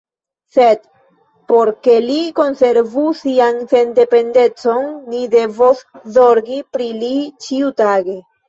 Sed por ke li konservu sian sendependecon, ni devos zorgi pri li ĉiutage.